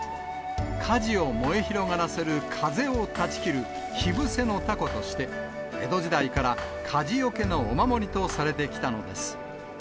火事を燃え広がらせる風を断ち切る火防の凧として、江戸時代から火事よけのお守りとされてきたのです。